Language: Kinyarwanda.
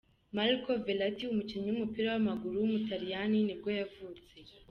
Marco Verratti, umukinnyi w’umupira w’amaguru w’umutaliyani nibwo yavutse.